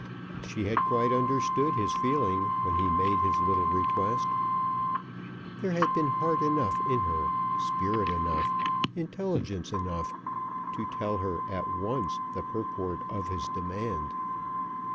She had quite understood his feeling when he made his little request. There had been heart enough in her, spirit enough, intelligence enough, to tell her at once the purport of his demand.